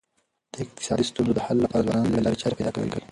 د اقتصادي ستونزو د حل لپاره ځوانان نوي لاري چاري پیدا کوي.